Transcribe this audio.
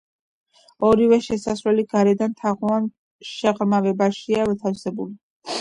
ორივე შესასვლელი გარედან თაღოვან შეღრმავებაშია მოთავსებული.